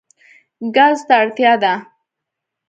ګازو ته اړتیا ده.